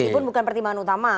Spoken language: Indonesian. meskipun bukan pertimbangan utama